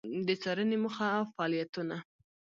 د څــارنـې موخـه او فعالیـتونـه: